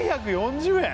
４４０円？